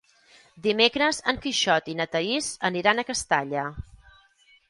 Dimecres en Quixot i na Thaís aniran a Castalla.